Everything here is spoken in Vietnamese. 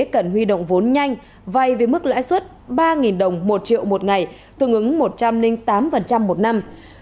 cần huy động vốn nhanh vay với mức lãi suất ba đồng một triệu một ngày tương ứng một trăm linh tám một năm